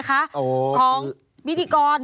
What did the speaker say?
แก้ตัว